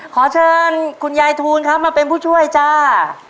ขอเชิญคุณยายทูลครับมาเป็นผู้ช่วยจ้า